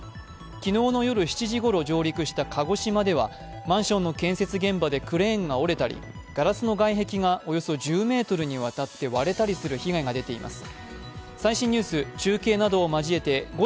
昨日の夜７時ごろ上陸した鹿児島ではマンションの建設現場でクレーンが折れたりガラスの外壁がおよそ１０ｍにわたって割れたりする被害が出ています。